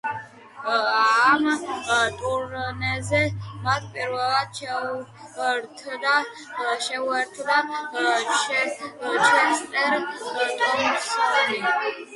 ამ ტურნეზე მათ პირველად შეუერთდა ჩესტერ თომპსონი.